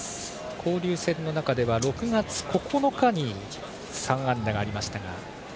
交流戦の中では６月９日に３安打がありました。